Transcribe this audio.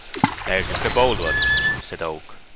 "There's Mr. Boldwood," said Oak.